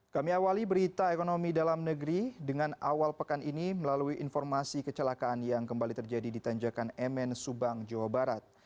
kami awali berita ekonomi dalam negeri dengan awal pekan ini melalui informasi kecelakaan yang kembali terjadi di tanjakan mn subang jawa barat